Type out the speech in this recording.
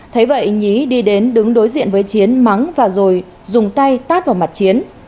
thấy vậy nhí đi đến đứng đối diện với chiến mắng và rồi dùng tay tát vào mặt chiến